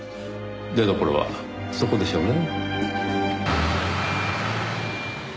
出どころはそこでしょうねぇ。